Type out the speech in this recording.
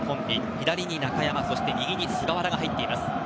左に中山右に菅原が入っています。